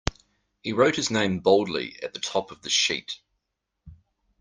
He wrote his name boldly at the top of the sheet.